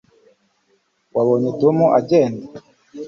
wabonye tom agenda